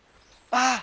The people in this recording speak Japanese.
あ。